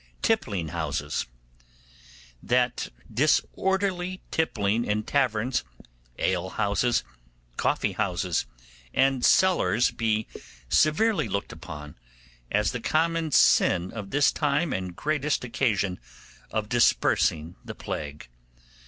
Tippling houses. 'That disorderly tippling in taverns, ale houses, coffee houses, and cellars be severely looked unto, as the common sin of this time and greatest occasion of dispersing the plague.